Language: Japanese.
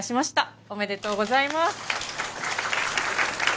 おめでとうございます。